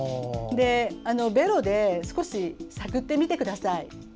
ベロで、少し探ってみてください。